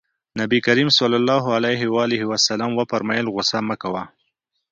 نبي کريم ص وفرمايل غوسه مه کوه.